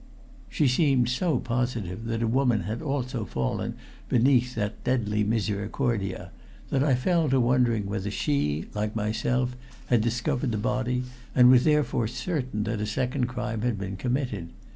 She seemed so positive that a woman had also fallen beneath that deadly misericordia that I fell to wondering whether she, like myself, had discovered the body, and was therefore certain that a second crime had been committed.